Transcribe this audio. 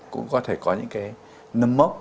cũng có thể có những cái nấm mốc